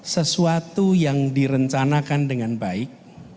sesuatu yang direncanakan dengan baik